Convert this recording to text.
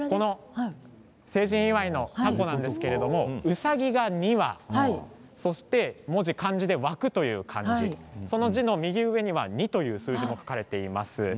成人祝いのたこなんですがうさぎが２羽そして文字、湧その字の右上には２という数字が書かれています。